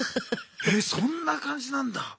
えそんな感じなんだ。